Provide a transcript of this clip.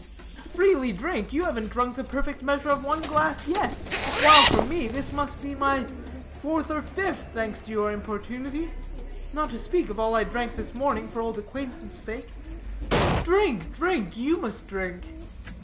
"Freely drink? you haven't drunk the perfect measure of one glass, yet. While for me, this must be my fourth or fifth, thanks to your importunity; not to speak of all I drank this morning, for old acquaintance' sake. Drink, drink; you must drink."